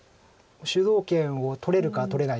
主導権を取れるか取れないか。